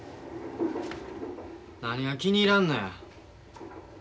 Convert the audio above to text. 何が気に入らんのや。